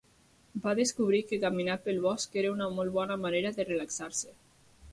Va descobrir que caminar pel bosc era una molt bona manera de relaxar-se